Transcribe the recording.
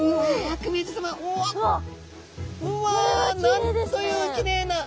なんというきれいな。